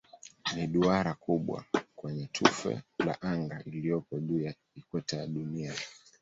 Ni duara kubwa kwenye tufe la anga iliyopo juu ya ikweta ya Dunia.